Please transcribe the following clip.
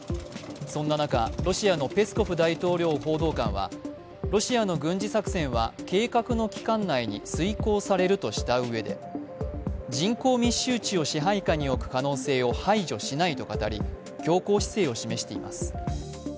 そんな中、ロシアのペスコフ大統領報道官はロシアの軍事作戦は計画の期間内に遂行されるとしたうえで人口密集地を支配下に置く可能性を排除しないと語り強硬姿勢を示しています。